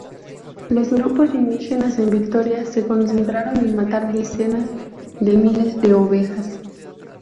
Los grupos indígenas en Victoria se concentraron en matar decenas de miles de ovejas.